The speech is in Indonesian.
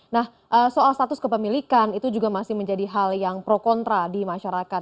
nah soal status kepemilikan itu juga masih menjadi hal yang pro kontra di masyarakat